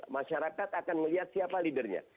masyarakat akan melihat siapa leadernya